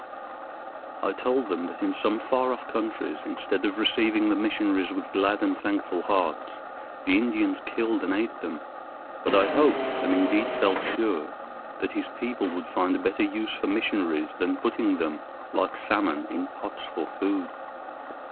I told them that in some far off countries, instead of receiving the missionaries with glad and thankful hearts, the Indians killed and ate them; but I hoped, and indeed felt sure, that his people would find a better use for missionaries than putting them, like salmon, in pots for food.